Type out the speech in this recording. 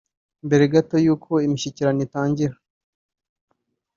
mbere gatu y’uko imishyikirano itangira